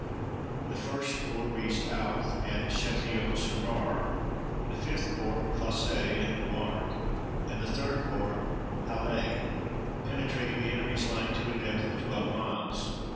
The 1st Corps reached Authe and Châtillon sur Bar, the 5th Corps, Fosse and Nouart, and the 3d Corps, Halles, penetrating the enemy's line to a depth of twelve miles.